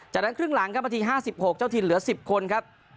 จากนั้นครึ่งหลังครับนาทีห้าสิบหกเจ้าทีเหลือสิบคนครับ